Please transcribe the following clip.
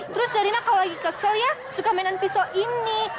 terus darina kalau lagi kesel ya suka mainan pisau ini